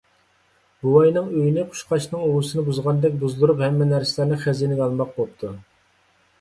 بوۋاينىڭ ئۆيىنى قۇشقاچنىڭ ئۇۋىسىنى بۇزغاندەك بۇزدۇرۇپ، ھەممە نەرسىلەرنى خەزىنىگە ئالماق بوپتۇ.